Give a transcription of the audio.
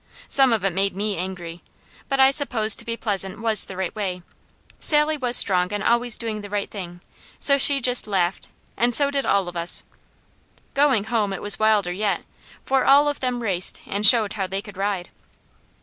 Some of it made me angry, but I suppose to be pleasant was the right way. Sally was strong on always doing the right thing, so she just laughed, and so did all of us. Going home it was wilder yet, for all of them raced and showed how they could ride.